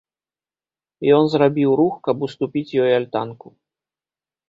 Ён зрабіў рух, каб уступіць ёй альтанку.